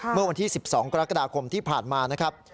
เมื่อวันที่๑๒กรกฎาคมที่ผ่านมานะครับ